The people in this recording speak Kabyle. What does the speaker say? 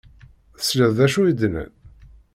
Tesliḍ d acu i d-nnan?